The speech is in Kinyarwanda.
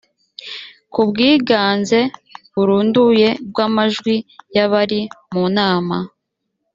ku bwiganze burunduye bw amajwi y abari mu nama